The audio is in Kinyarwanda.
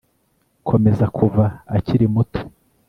komeza kuva akiri muto